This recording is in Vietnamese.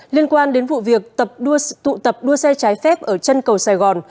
liên quan đến vụ việc tụ tập đua xe trái phép ở chân cầu sài gòn